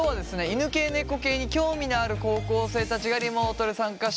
犬系・猫系に興味のある高校生たちがリモートで参加してくれてます。